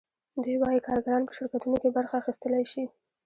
دوی وايي کارګران په شرکتونو کې برخه اخیستلی شي